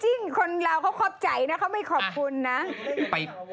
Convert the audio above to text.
จริงคนเราเขาขอบใจนะเขาไม่ขอบคุณนะ